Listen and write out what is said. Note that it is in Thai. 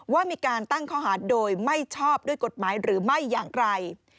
ว่ามีการตั้งข้อหาโดยไม่ชอบด้วยกฎหมายหรือไม่อย่างไร